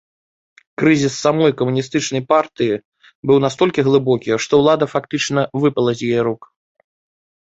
Крызіс самой камуністычнай партыі быў настолькі глыбокі, што ўлада фактычна выпала з яе рук.